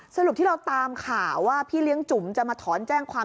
สรุปที่เราตามข่าวว่าพี่เลี้ยงจุ๋มจะมาถอนแจ้งความ